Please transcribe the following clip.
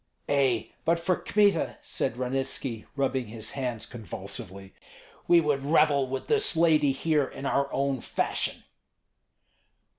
"Ei! but for Kmita," said Ranitski, rubbing his hands convulsively, "we would revel with this lady here in our own fashion."